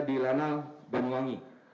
di lana banuwangi